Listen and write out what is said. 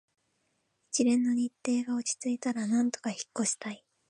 一連の日程が落ち着いたら、なんとか引っ越ししたい